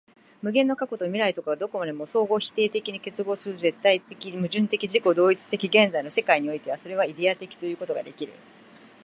無限の過去と未来とがどこまでも相互否定的に結合する絶対矛盾的自己同一的現在の世界においては、それはイデヤ的ということができる。